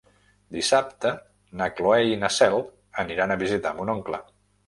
Dissabte na Cloè i na Cel aniran a visitar mon oncle.